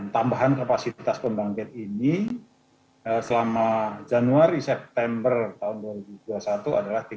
tambahan kapasitas pembangkit ini selama januari september dua ribu dua puluh satu adalah tiga ratus delapan puluh enam mw